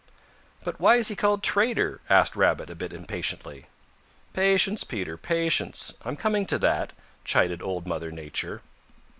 "But why is he called Trader?" asked Rabbit a bit impatiently. "Patience, Peter, patience. I'm coming to that," chided Old Mother Nature.